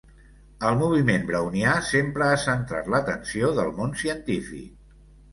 El moviment brownià sempre ha centrat l'atenció del món científic.